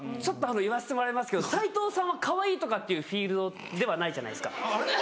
ちょっと言わせてもらいますけど斉藤さんはかわいいとかっていうフィールドではないじゃないですか。